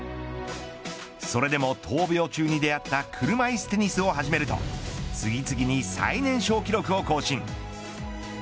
それでも闘病中に出会った車いすテニスを始めると次々に最年少記録を更新。